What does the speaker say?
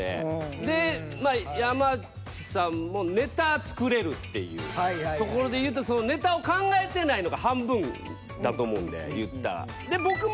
でまあっていうところでいうとネタを考えてないのが半分だと思うんで言ったら。